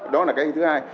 đó là cái thứ hai